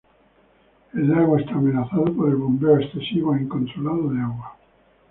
El lago está amenazado por el bombeo excesivo e incontrolado de agua.